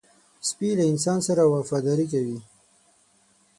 سپي له انسان سره وفاداري کوي.